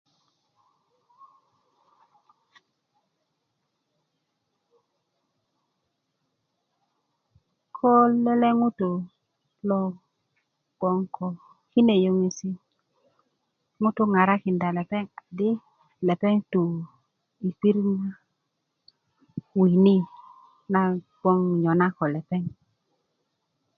ko lele ŋutu lo bgoŋ ko kine yoŋesi ŋutu ŋarakinda lepeŋ adi lepeŋ to i pirit na wini na bgoŋ nyona ko lepeŋ